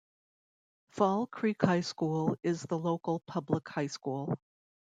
Fall Creek High School is the local public high school.